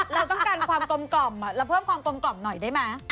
เราต้องการความกลมกล่อมเราเพิ่มความกลมกล่อมหน่อยได้ไหม